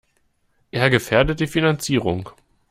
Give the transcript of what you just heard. Er gefährdet die Finanzierung.